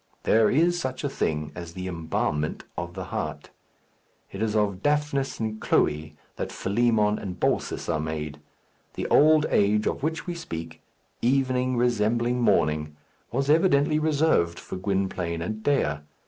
There is such a thing as the embalmment of the heart. It is of Daphnis and Chloë that Philemon and Baucis are made. The old age of which we speak, evening resembling morning, was evidently reserved for Gwynplaine and Dea.